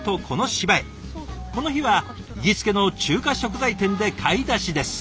この日は行きつけの中華食材店で買い出しです。